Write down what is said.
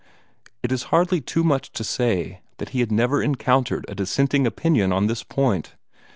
It is hardly too much to say that he had never encountered a dissenting opinion on this point.